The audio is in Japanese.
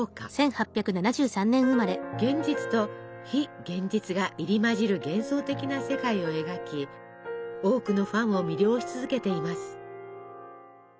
現実と非現実が入り混じる幻想的な世界を描き多くのファンを魅了し続けています。